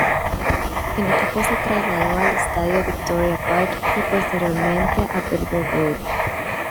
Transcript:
El equipo se trasladó al estadio Victoria Park, y posteriormente a Belgrave Road.